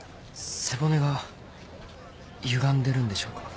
背骨がゆがんでるんでしょうか。